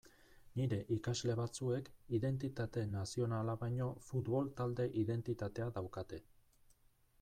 Nire ikasle batzuek identitate nazionala baino futbol-talde identitatea daukate.